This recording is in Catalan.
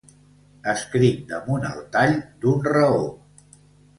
Escric damunt el tall d’un raor.